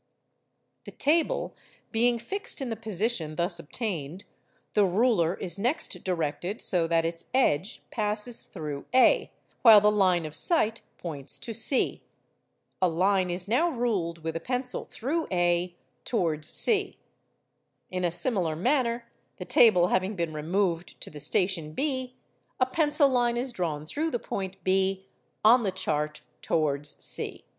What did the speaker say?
The table being fixed in the position thus obtained, the ruler is next directed so that its edge passes through A, while the line of sight points to C. A line is now ruled with a pencil through A towards C. In a similar manner, the table having been removed to the station B, a pencil line is drawn through the point B on the chart towards C.